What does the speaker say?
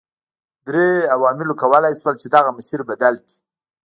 درې عواملو کولای شول چې دغه مسیر بدل کړي.